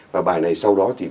và bài này sau đó